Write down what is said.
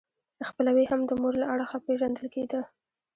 خپلوي هم د مور له اړخه پیژندل کیده.